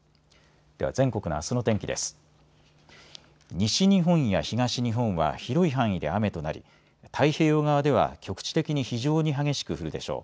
西日本や東日本は広い範囲で雨となり太平洋側では局地的に非常に激しく降るでしょう。